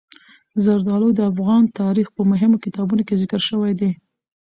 زردالو د افغان تاریخ په مهمو کتابونو کې ذکر شوي دي.